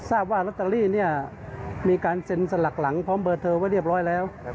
ทราบว่าลอตเตอรี่เนี่ยมีการเซ็นสลักหลังพร้อมเบอร์เธอไว้เรียบร้อยแล้ว